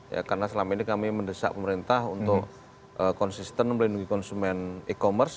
ya karena selama ini kami mendesak pemerintah untuk konsisten melindungi konsumen e commerce